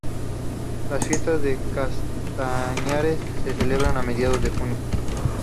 Las fiestas de Castañares se celebran a mediados de junio.